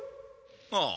ああ。